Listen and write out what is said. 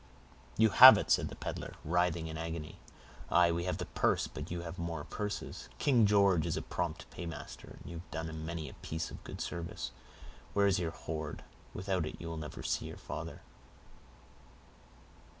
"You have it," said the peddler, writhing with agony. "Aye, we have the purse, but you have more purses. King George is a prompt paymaster, and you have done him many a piece of good service. Where is your hoard? Without it you will never see your father."